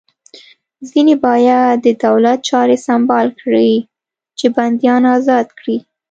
ځینې باید د دولت چارې سمبال کړي چې بندیان ازاد کړي